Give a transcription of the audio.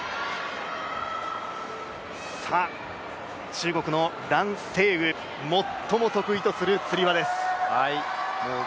中国の蘭星宇、最も得意とするつり輪です。